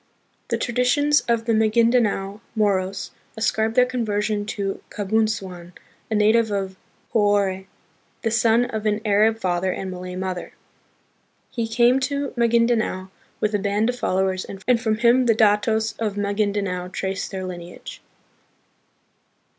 The traditions of the Magindanao Moros ascribe their conversion to Kabunsuan, a native of Johore, the son of an Arab father and Malay mother. He came to Magindanao with a band of followers, and from him the datos of Magindanao trace their lineage.